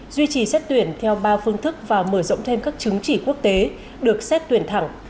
duy trì xét tuyển theo ba phương thức và mở rộng thêm các chứng chỉ quốc tế được xét tuyển thẳng